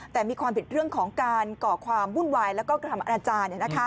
แต่มีความผิดเรื่องของการก่อความวุ่นวายแล้วก็กระทำอนาจารย์